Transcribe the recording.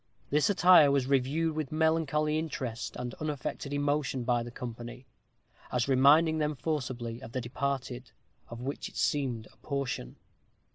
This attire was reviewed with melancholy interest and unaffected emotion by the company, as reminding them forcibly of the departed, of which it seemed a portion.